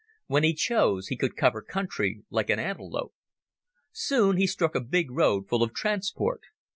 When he chose he could cover country like an antelope. Soon he struck a big road full of transport.